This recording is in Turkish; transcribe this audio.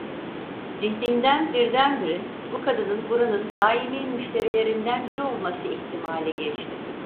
Zihnimden birdenbire, bu kadının buranın daimi müşterilerinden biri olması ihtimali geçti.